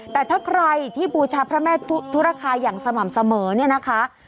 แต่ถ้าใครที่บูชาพระแม่ธุรคาอย่างสม่ำเสมอเนี่ยนะคะ